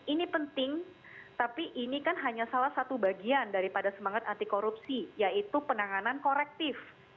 ini penting tapi ini kan hanya salah satu bagian daripada semangat anti korupsi yaitu penanganan korektif